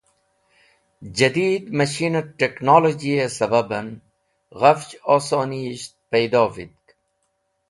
Jadied macheen et technologye sababen ghafch Osonisht paido vitk.